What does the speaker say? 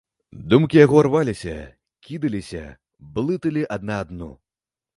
Думкі яго рваліся, кідаліся, блыталі адна адну.